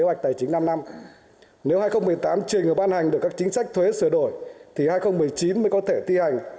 kế hoạch tài chính năm năm nếu hai nghìn một mươi tám trình và ban hành được các chính sách thuế sửa đổi thì hai nghìn một mươi chín mới có thể ti hành